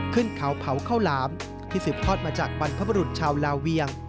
ขึ้นเขาเผาข้าวหลามที่สืบทอดมาจากบรรพบรุษชาวลาเวียง